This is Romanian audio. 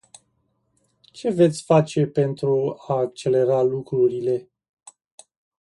Ce veți face pentru a accelera lucrurile?